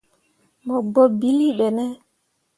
Mo gbǝ ɓilli ɓe ne ?